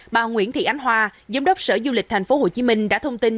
bà nguyễn thị ánh hòa giám đốc sở du lịch thành phố hồ chí minh đã thông tin